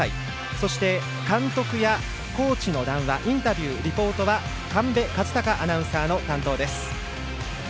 そして、監督やコーチの談話インタビュー、リポートは神戸和貴アナウンサーの担当です。